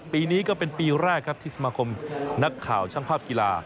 ปีนี้ก็เป็นปีแรกครับที่สมาคมนักข่าวช่างภาพกีฬา